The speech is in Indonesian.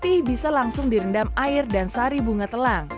teh bisa langsung direndam air dan sari bunga telang